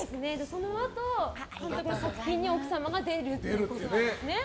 そのあと作品に奥様が出るっていうことなんですね。